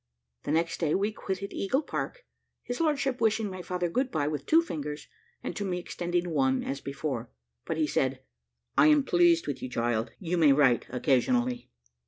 The next day we quitted Eagle Park, his lordship wishing my father good bye with two fingers, and to me extending one, as before; but he said, "I am pleased with you, child; you may write occasionally."